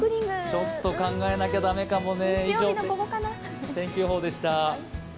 ちょっと考えないと駄目かもね。